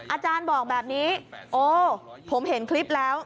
อาจารย์บอกแบบนี้โอ้ผมเห็นคลิปแล้ว